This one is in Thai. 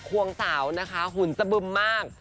ควงสาวนะคะหุ่นสะบึมมาก